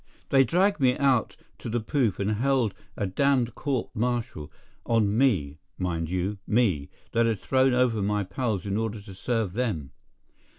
They dragged me out on to the poop and held a damned court martial—on me, mind you; me, that had thrown over my pals in order to serve them.